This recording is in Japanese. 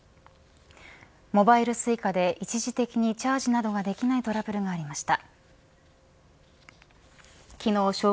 モバイルＳｕｉｃａで一時的にチャージなどができないトラブルがありました。